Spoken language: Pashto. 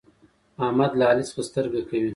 احمد له علي څخه سترګه کوي.